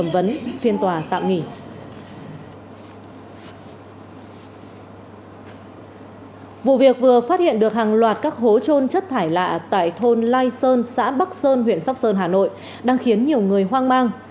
vụ việc vừa phát hiện được hàng loạt các hố trôn chất thải lạ tại thôn lai sơn xã bắc sơn huyện sóc sơn hà nội đang khiến nhiều người hoang mang